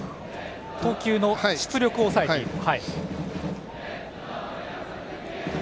投球の出力を抑えていると。